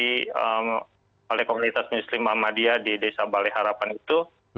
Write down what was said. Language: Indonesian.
di komunitas muslim ahmadiyah di desa balai harapan itu